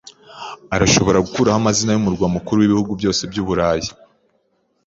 arashobora gukuraho amazina yumurwa mukuru wibihugu byose byuburayi.